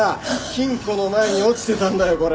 金庫の前に落ちてたんだよこれ。